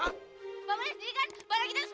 pabri disini kan